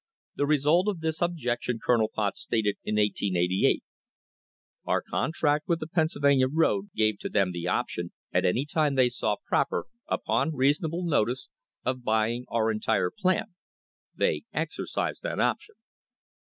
The result of this objection Colonel Potts stated in 1888: "Our contract with the Pennsylvania road gave to them the option, at any time they saw proper, upon reason able notice, of buying our entire plant; they exercised that option."